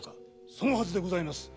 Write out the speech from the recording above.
そのはずでございます。